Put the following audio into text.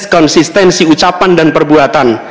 konsistensi ucapan dan perbuatan